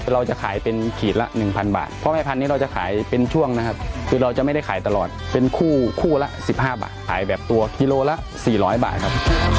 เราจะขายเป็นขีดละ๑๐๐บาทเพราะแม่พันธุนี้เราจะขายเป็นช่วงนะครับคือเราจะไม่ได้ขายตลอดเป็นคู่คู่ละ๑๕บาทขายแบบตัวกิโลละ๔๐๐บาทครับ